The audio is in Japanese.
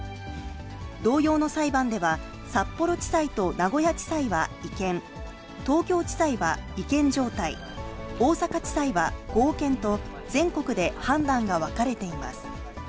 同様の裁判では、札幌地裁と名古屋地裁は違憲、東京地裁は違憲状態、大阪地裁は合憲と、全国で判断が分かれています。